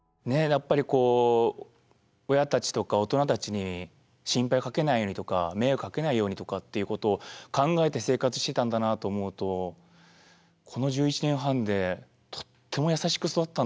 やっぱりこう親たちとか大人たちに心配かけないようにとか迷惑かけないようにとかっていうことを考えて生活してたんだなと思うと僕もね